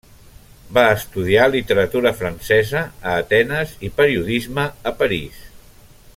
Va estudiar literatura francesa a Atenes i periodisme a París.